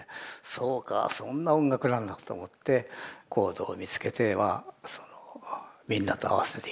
そうかそんな音楽なんだと思ってコードを見つけてはそのみんなと合わせていく。